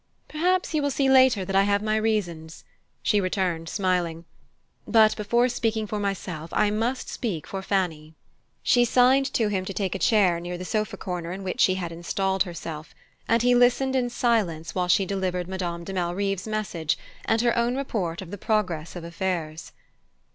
"Perhaps you will see later that I have my reasons," she returned smiling. "But before speaking for myself I must speak for Fanny." She signed to him to take a chair near the sofa corner in which she had installed herself, and he listened in silence while she delivered Madame de Malrive's message, and her own report of the progress of affairs.